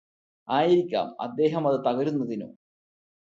ആയിരിക്കാം അദ്ദേഹം അത് തകരുന്നതിനു